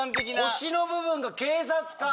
星の部分が警察官。